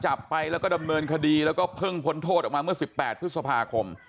จับไปแล้วก็ดำเนินคดีแล้วก็เพิ่งพ้นโทษออกมาเมื่อ๑๘พฤษภาคม